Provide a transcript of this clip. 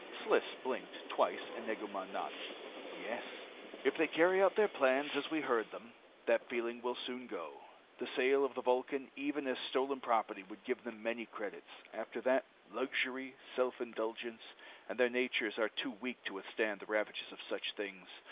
Sliss blinked, twice, and Negu Mah nodded. "Yes," he said. "If they carry out their plans as we heard them, that feeling will soon go. The sale of the Vulcan, even as stolen property, would give them many credits. After that luxury, self indulgence. And their natures are too weak to withstand the ravages of such things.